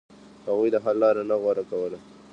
هغوی د حل لار نه غوره کوله.